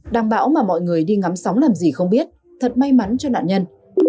đang bảo mà mọi người đi ngắm sóng làm gì không biết thật may mắn cho nạn nhân